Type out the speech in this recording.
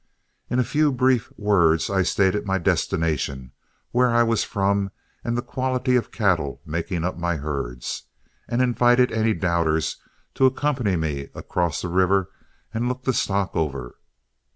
In a few brief words I stated my destination, where I was from, and the quality of cattle making up my herds, and invited any doubters to accompany me across the river and look the stock over.